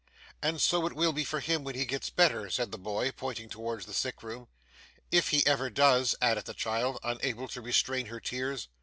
'And so it will be for him when he gets better,' said the boy, pointing towards the sick room. ' If he ever does,' added the child, unable to restrain her tears.